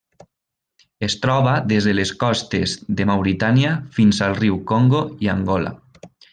Es troba des de les costes de Mauritània fins al riu Congo i Angola.